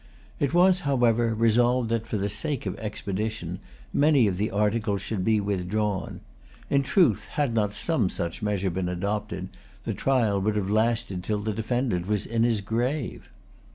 It was, however, resolved that, for the sake of expedition, many of the articles should be withdrawn. In truth, had not some such measure been adopted, the trial would have lasted till the defendant was in his grave.